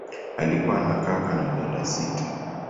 Alikuwa na kaka na dada sita.